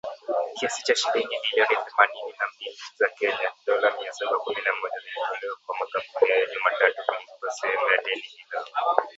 Kiasi cha shilingi bilioni themaninina mbili za Kenya (dola milioni mia saba kumi na moja) zilitolewa kwa makampuni hayo Jumatatu kulipa sehemu ya deni hilo